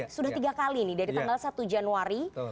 sudah tiga kali nih dari tanggal satu januari